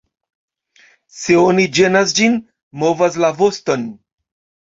Se oni ĝenas ĝin, movas la voston.